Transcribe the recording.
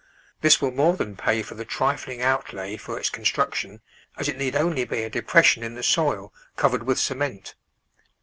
This will more than pay for the trifling outlay for its construction, as it need only be a depression in the soil, covered with cement.